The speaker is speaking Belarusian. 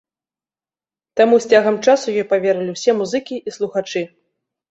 Таму з цягам часу ёй паверылі ўсе музыкі і слухачы.